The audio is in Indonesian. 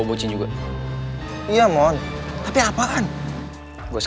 kraipm lihat lanjutnya